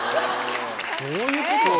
どういうこと？